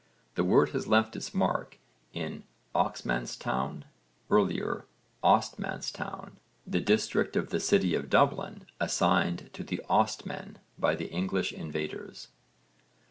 The word has left its mark in Oxmanstown, earlier Ostmanstown, the district of the city of Dublin assigned to the Ostmen by the English invaders.